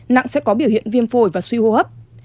nặng sẽ có biểu hiện viêm phổi và suy hô hấp